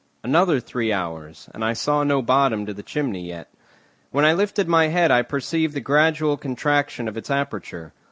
Another three hours, and I saw no bottom to the chimney yet. When I lifted my head I perceived the gradual contraction of its aperture.